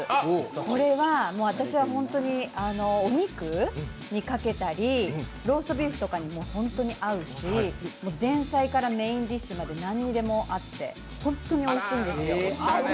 これは私はお肉にかけたりローストビーフとかにも本当に合うし前菜からメインディッシュまで何でも合って、ほんっとにおいしいんですよ。